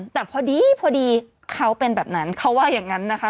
แต่พอดีพอดีเขาเป็นแบบนั้นเขาว่าอย่างนั้นนะคะ